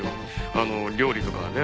あの料理とかね